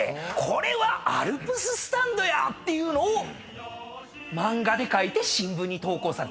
「これはアルプススタンドや」っていうのを漫画に描いて新聞に投稿されたんですね。